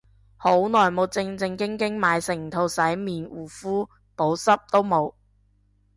好耐冇正正經經買成套洗面護膚，補濕都冇